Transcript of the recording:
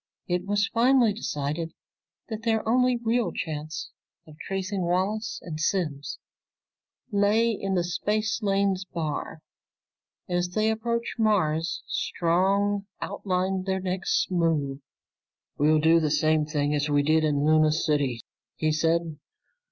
It was finally decided that their only real chance of tracing Wallace and Simms lay in the Spacelanes Bar. As they approached Mars, Strong outlined their next move. "We'll do the same thing as we did in Luna City," he said.